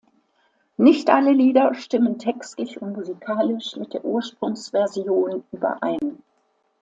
Nicht alle Lieder stimmen textlich und musikalisch mit der Ursprungsversion überein.